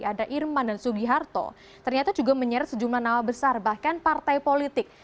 ada irman dan sugiharto ternyata juga menyeret sejumlah nama besar bahkan partai politik